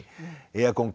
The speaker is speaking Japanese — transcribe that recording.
エアコン